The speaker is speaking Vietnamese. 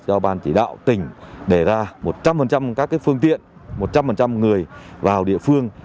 do ban chỉ đạo tỉnh để ra một trăm linh các phương tiện một trăm linh người vào địa phương